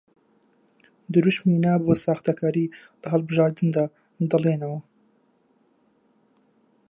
دروشمی نا بۆ ساختەکاری لە هەڵبژاردندا دەڵێنەوە